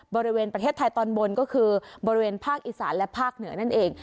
บริเวณประเทศไทยตอนบนก็คือบริเวณภาคอีสานและภาคเหนือนั่นเอง